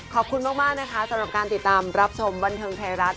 ขอบคุณมากนะคะสำหรับการติดตามรับชมบันเทิงไทยรัฐ